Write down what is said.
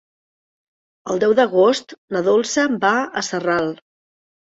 El deu d'agost na Dolça va a Sarral.